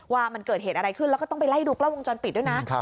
ว่ามันเกิดเหตุอะไรขึ้นแล้วก็ต้องไปไล่ดูกล้องวงจรปิดด้วยนะ